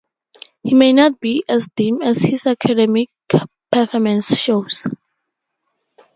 He may not be as dim as his academic performance shows.